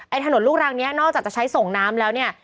ถนนลูกรังนี้นอกจากจะใช้ส่งน้ำแล้วเนี่ย